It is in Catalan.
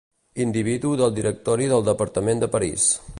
Individu del Directori del departament de París.